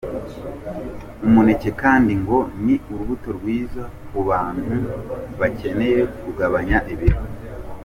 Umuneke kandi ngo ni urubuto rwiza ku bantu bakeneye kugabanya ibiro.